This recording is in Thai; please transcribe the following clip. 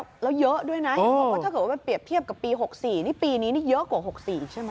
แล้วเยอะด้วยนะถ้าเกิดเปรียบเทียบกับปี๖๔ปีนี้เยอะกว่า๖๔ใช่ไหม